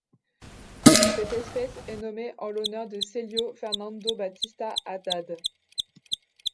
Cette espèce est nommée en l'honneur de Célio Fernando Baptista Haddad.